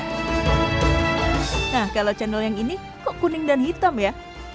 nah kalau cendol yang ini kok kuning dan hitam ya